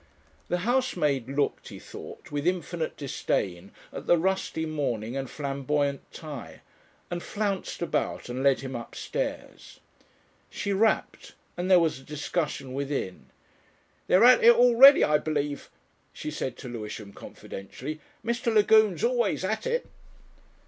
The housemaid looked, he thought, with infinite disdain at the rusty mourning and flamboyant tie, and flounced about and led him upstairs. She rapped, and there was a discussion within. "They're at it already, I believe," she said to Lewisham confidentially. "Mr. Lagune's always at it."